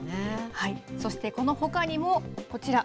そして、このほかにもこちら。